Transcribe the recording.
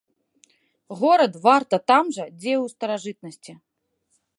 Горад варта там жа, дзе і ў старажытнасці.